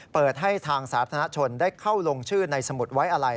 เปิดให้ทางสาธารณชนได้เข้าลงชื่อในสมุดไว้อะไร